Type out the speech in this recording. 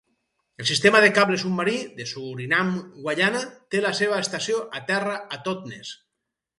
El Sistema de cable submarí de Surinam-Guyana té la seva estació a terra a Totness.